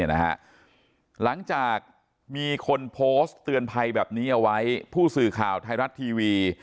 หลังจากมีคนโพสต์เตือนภัยแบบนี้เอาไว้ผู้สื่อข่าวไทยรัฐทีวี